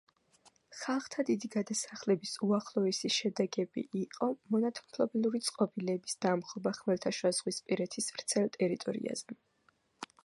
ხალხთა დიდი გადასახლების უახლოესი შედეგები იყო მონათმფლობელური წყობილების დამხობა ხმელთაშუაზღვისპირეთის ვრცელ ტერიტორიაზე.